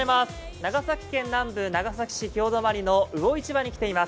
長崎県南部長崎市の魚市場に来ています。